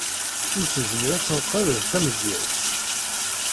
Ur tezmir ad teqqel d tamedyazt.